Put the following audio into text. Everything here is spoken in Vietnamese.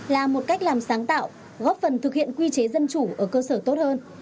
là một cách làm sáng tạo góp phần thực hiện quy chế dân chủ ở cơ sở tốt hơn